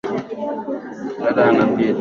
Dada anapita